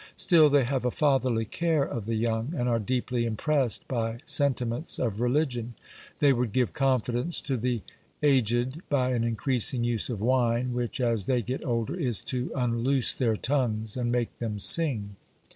Still they have a fatherly care of the young, and are deeply impressed by sentiments of religion. They would give confidence to the aged by an increasing use of wine, which, as they get older, is to unloose their tongues and make them sing.